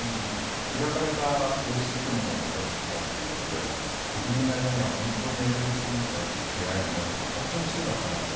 開かれた王室というものを目指してきたということで国民の間には本当にエリザベス女王に対する敬愛の念というのは本当に強かったなって。